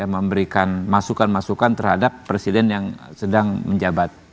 memberikan masukan masukan terhadap presiden yang sedang menjabat